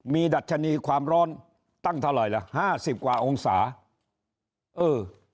ดัชนีความร้อนตั้งเท่าไหร่ล่ะห้าสิบกว่าองศาเออ